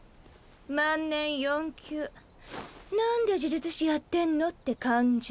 万年４級なんで呪術師やってんのって感じ